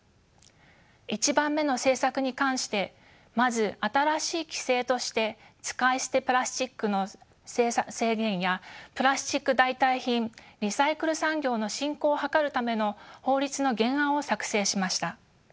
１番目の「政策」に関してまず新しい規制として使い捨てプラスチックの制限やプラスチック代替品リサイクル産業の振興を図るための法律の原案を作成しました。